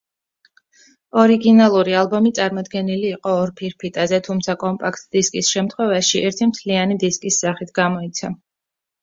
ორიგინალური ალბომი წარმოდგენილი იყო ორ ფირფიტაზე, თუმცა კომპაქტ-დისკის შემთხვევაში, ერთი მთლიანი დისკის სახით გამოიცა.